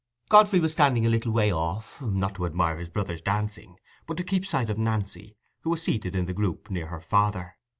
Godfrey was standing a little way off, not to admire his brother's dancing, but to keep sight of Nancy, who was seated in the group, near her father.